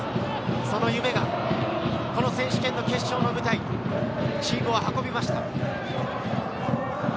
その夢が、この選手権の決勝の舞台へチームを運びました。